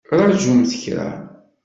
Ṛajumt kra!